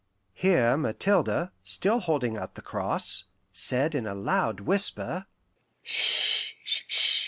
Here Mathilde, still holding out the cross, said in a loud whisper, "'Sh, 'sh!